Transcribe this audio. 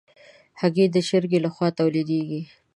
هګۍ د چرګ له خوا تولیدېږي.